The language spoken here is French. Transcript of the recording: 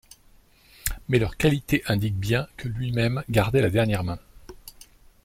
Mais leur qualité indique bien que lui-même gardait la dernière main.